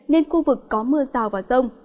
nên khu vực có mưa rào và rông